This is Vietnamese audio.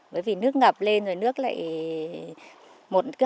bởi vì nước ngập lên rồi nước lại